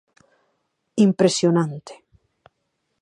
Impresionante!